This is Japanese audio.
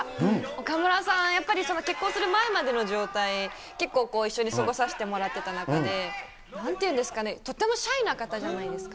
岡村さん、やっぱり結婚する前までの状態、結構、一緒に過ごさせてもらってた中で、なんていうんですかね、とってもシャイな方じゃないですか。